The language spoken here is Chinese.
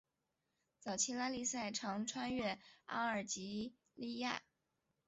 早期拉力赛常穿越阿尔及利亚。